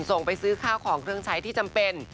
ส่งไปซื้อข้าวของเครื่องใช้ที่จำเป็น